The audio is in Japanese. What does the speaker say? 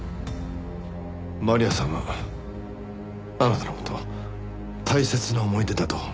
マリアさんはあなたの事を大切な思い出だと言ってた。